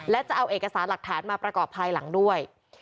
และจะเอาเอกสารหลักฐานมาประกอบภายหลังด้วย